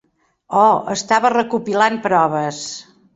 Oh, estava recopilant proves.